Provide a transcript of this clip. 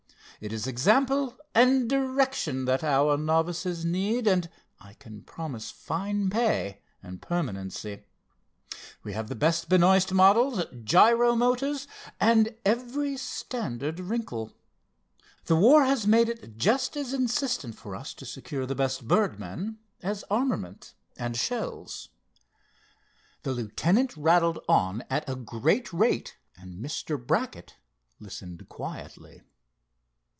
It is example and direction that our novices need, and I can promise fine pay and a permanency. We have the best Benoist models, Gyro motors, and every standard wrinkle. The war has made it just as insistent for us to secure the best birdmen as armament and shells." The lieutenant rattled on at a great rate and Mr. Brackett listened quietly.